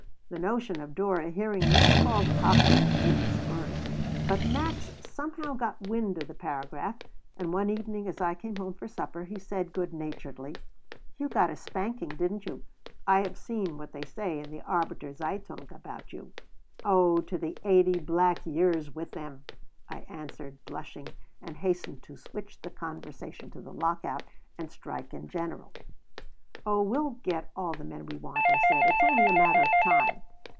The notion of Dora hearing me called "cockroach" made me squirm But Max somehow got wind of the paragraph, and one evening as I came home for supper he said, good naturedly: "You got a spanking, didn't you? I have seen what they say in the Arbeiter Zeitung about you." "Oh, to the eighty black years with them!" I answered, blushing, and hastened to switch the conversation to the lockout and strike in general. "Oh, we'll get all the men we want," I said. "It's only a matter of time.